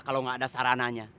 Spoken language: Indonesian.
kalau gak ada sarananya